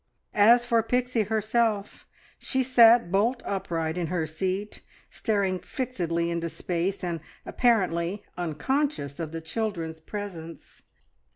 As for Pixie herself she sat bolt upright in her seat, staring fixedly into space, and apparently unconscious of the children's presence.